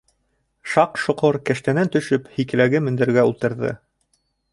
Шаҡ-Шоҡор, кәштәнән төшөп, һикеләге мендәргә ултырҙы.